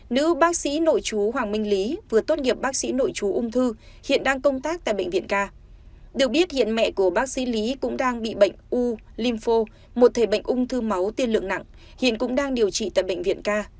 nữ bác sĩ nội chú hoàng minh lý vừa tốt nghiệp bác sĩ nội chú ung thư hiện đang công tác tại bệnh viện ca được biết hiện mẹ của bác sĩ lý cũng đang bị bệnh u lim phô một thể bệnh ung thư máu tiên lượng nặng hiện cũng đang điều trị tại bệnh viện ca